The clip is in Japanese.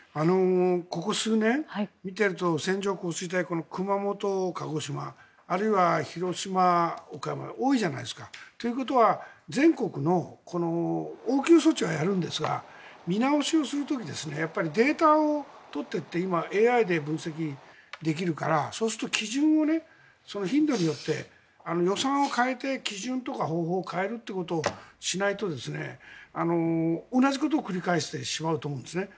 ここ数年、見ていると線状降水帯熊本、鹿児島あるいは広島、岡山で多いじゃないですか。ということは全国の応急措置はやるんですが見直しをする時にデータを取っていって今ＡＩで分析できるからそうすると基準を、頻度によって予算を変えて基準とか方法を変えることをしないと同じことを繰り返してしまうと思うんですね。